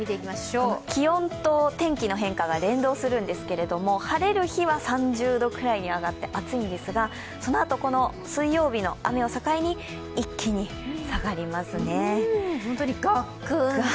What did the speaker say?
気温と天気の変化が連動するんですけども、晴れる日は３０度くらいに上がって暑いんですが、そのあと、水曜日雨を境に一気に下がりますね。